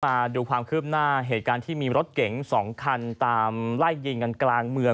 มาดูความคืบหน้าเหตุการณ์ที่มีรถเก๋ง๒คันตามไล่ยิงกันกลางเมือง